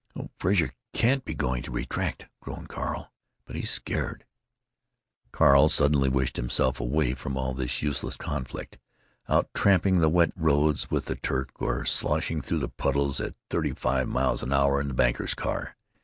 "Oh, Frazer can't be going to retract," groaned Carl; "but he's scared." Carl suddenly wished himself away from all this useless conflict; out tramping the wet roads with the Turk, or slashing through the puddles at thirty five miles an hour in the banker's car.